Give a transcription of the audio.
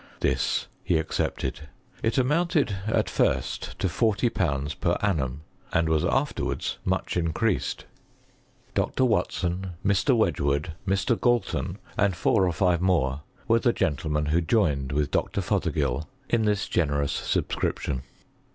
This he accepted. It amounted at first to 40/. per annum^ and was afterwards much increased. Dr. Watson^ Mr Wedgewoot], Mr. Galton, and four or five more, were the gentlemen who joined with Dr. Fothergill in this generous Bubscription.